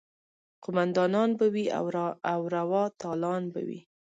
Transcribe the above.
قوماندانان به وي او روا تالان به وي.